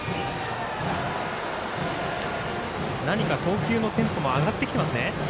何か投球のテンポも上がってきていますね。